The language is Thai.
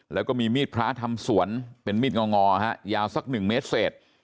แล้วก็มีมีดพระทำสวนเป็นมีดงอยาวสัก๑เมตรเศษ